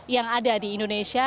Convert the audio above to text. yang ada di indonesia